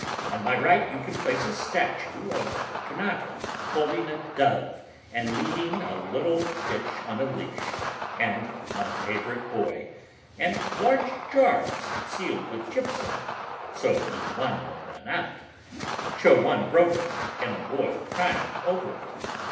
On my right, you can place a statue of Fortunata holding a dove and leading a little bitch on a leash, and my favorite boy, and large jars sealed with gypsum, so the wine won't run out; show one broken and a boy crying over it.